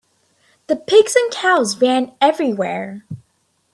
The pigs and cows ran everywhere.